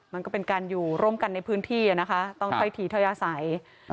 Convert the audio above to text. มันก็เป็นการอยู่ร่มกันในพื้นที่ต้องค่อยถี่ทยาศัย